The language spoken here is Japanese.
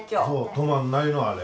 止まんないのあれ。